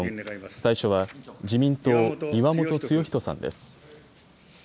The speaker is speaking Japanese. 最初は自民党、岩本剛人さんです。